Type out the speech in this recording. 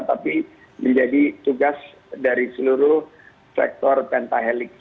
tapi menjadi tugas dari seluruh sektor pentahelix